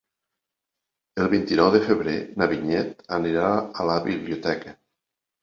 El vint-i-nou de febrer na Vinyet anirà a la biblioteca.